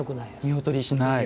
見劣りしない。